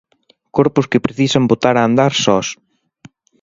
Corpos que precisan botar a andar sós.